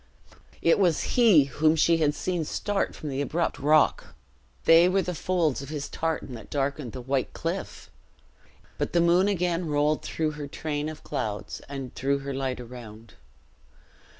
It was he whom she had seen start from the abrupt rock! They were the folds of his tartan that darkened the white cliff! But the moon again rolled through her train of clouds and threw her light around.